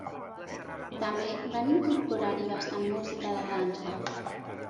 També va incorporar-hi bastant música de dansa.